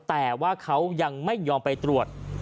แต่ว่าเขายังไม่ยอมไปตรวจ